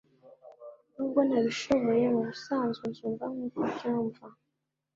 nubwo ntabishoboye, mubisanzwe nzumva nkuko ubyumva